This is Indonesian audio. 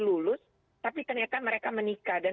lulus tapi ternyata mereka menikah dan